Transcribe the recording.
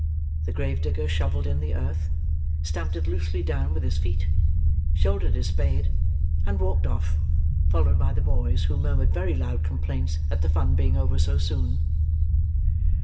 The grave digger shovelled in the earth; stamped it loosely down with his feet: shouldered his spade; and walked off, followed by the boys, who murmured very loud complaints at the fun being over so soon.